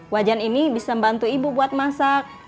wajan ini bisa membantu ibu buat masak